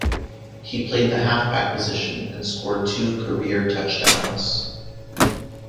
He played the halfback position and scored two career touchdowns.